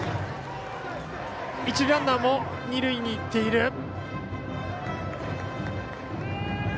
一塁ランナーも二塁に行っている。